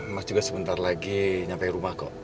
mas juga sebentar lagi nyampe rumah kok